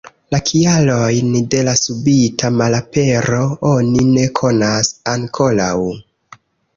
La kialojn de la subita malapero oni ne konas ankoraŭ.